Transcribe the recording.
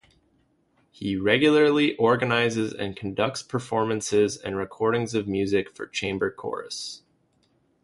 He regularly organizes and conducts performances and recordings of music for chamber chorus.